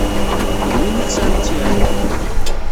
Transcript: Akked wumi i tesɛam ttiɛad?